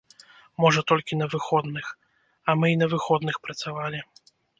Можа, толькі на выходных, а мы і на выходных працавалі.